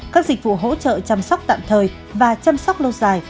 các dịch vụ hỗ trợ chăm sóc tạm thời và chăm sóc lâu dài